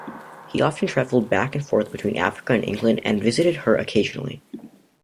He often travelled back and forth between Africa and England, and visited her occasionally.